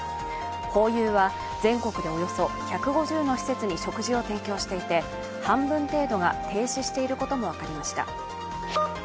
ホーユーは全国でおよそ１５０の施設に食事を提供していて半分程度が停止していることも分かりました。